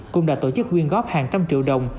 cũng đã tổ chức quyên góp hàng trăm triệu đồng